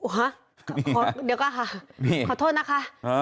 ฮะเดี๋ยวก่อนค่ะขอโทษนะคะ